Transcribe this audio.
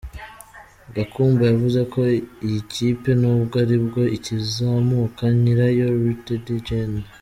Gakumba yavuze ko iyi kipe nubwo aribwo ikizamuka, nyirayo Rtd Gen.